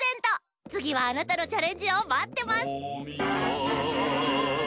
つぎはあなたのチャレンジをまってます！